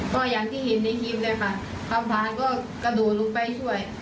ก็อย่างที่เห็นในคลิปเลยค่ะทหารก็กระโดดลงไปช่วย